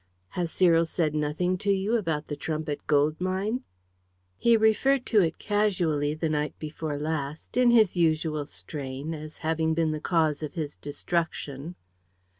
"Has Cyril said nothing to you about the Trumpit Gold Mine?" "He referred to it casually the night before last in his usual strain, as having been the cause of his destruction."